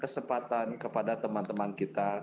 kesempatan kepada teman teman kita